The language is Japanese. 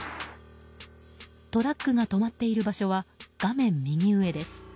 トラックが止まっている場所は画面右上です。